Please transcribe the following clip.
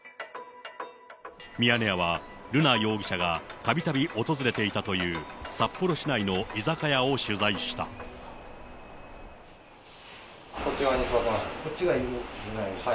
ミヤネ屋は、瑠奈容疑者がたびたび訪れていたという札幌市内の居酒屋を取材しこっち側に座ってましたね。